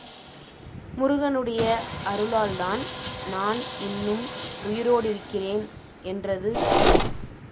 முருகனுடைய அருளால் தான் நான் இன்னும் உயிரோடிருக்கிறேன் என்றது கிளி.